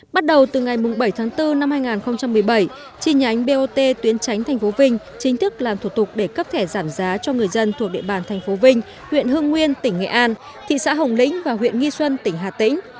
bắt đầu từ ngày bảy tháng bốn năm hai nghìn một mươi bảy chi nhánh bot tuyến tránh tp vinh chính thức làm thủ tục để cấp thẻ giảm giá cho người dân thuộc địa bàn thành phố vinh huyện hương nguyên tỉnh nghệ an thị xã hồng lĩnh và huyện nghi xuân tỉnh hà tĩnh